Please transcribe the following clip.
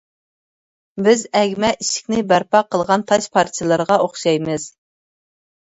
بىز ئەگمە ئىشىكنى بەرپا قىلغان تاش پارچىلىرىغا ئوخشايمىز.